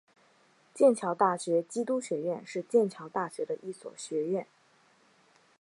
剑桥大学基督学院是剑桥大学的一所学院。